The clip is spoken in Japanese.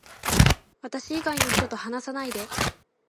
私以外の人と話さないで